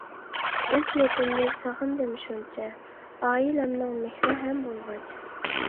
ئۆز يۇرتۇمنى سېغىندىم شۇنچە، ئائىلەمنىڭ مېھرى ھەم بولغاچ.